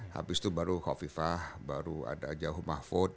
habis itu baru kofifah baru ada jauh mahfud